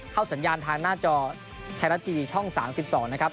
เข้าสัญญาณทางหน้าจอแทนัททีช่อง๓๒นะครับ